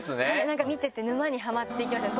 見てて沼にハマっていきますね